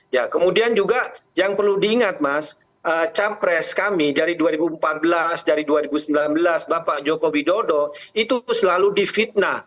ya kemudian juga yang perlu diingat mas capres kami dari dua ribu empat belas dari dua ribu sembilan belas bapak joko widodo itu selalu difitnah